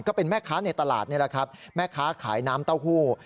ก็เป็นแม่ค้าในตลาดนี่แหละครับแม่ค้าขายน้ำเต้าหู้